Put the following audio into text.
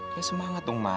ya semangat dong ma